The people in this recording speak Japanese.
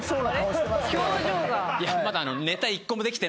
表情が。